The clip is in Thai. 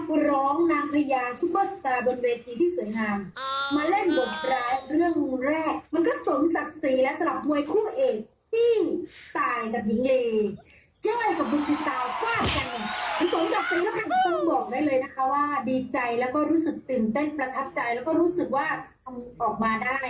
นักร้องนางพยายามซุปเปอร์สตาร์บนเวทีที่สวยงาม